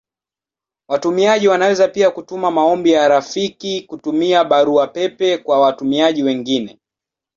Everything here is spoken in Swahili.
Watumiaji wanaweza pia kutuma maombi ya rafiki kutumia Barua pepe kwa watumiaji wengine.